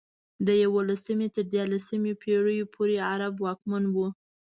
د یولسمې تر دیارلسمې پېړیو پورې عرب واکمن وو.